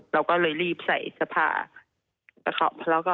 เราก็เลยรีบใส่สภาพ